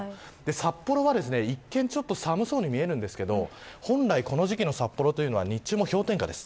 札幌は、一見寒そうに見えますが本来この時期の札幌は日中も氷点下です。